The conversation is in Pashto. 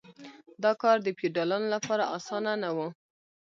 دا کار د فیوډالانو لپاره اسانه نه و.